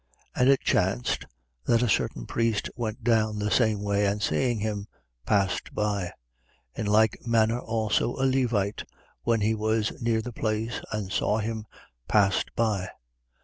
10:31. And it chanced, that a certain priest went down the same way: and seeing him, passed by. 10:32. In like manner also a Levite, when he was near the place and saw him, passed by.